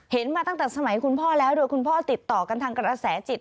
มาตั้งแต่สมัยคุณพ่อแล้วโดยคุณพ่อติดต่อกันทางกระแสจิต